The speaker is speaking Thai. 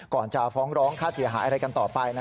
จะฟ้องร้องค่าเสียหายอะไรกันต่อไป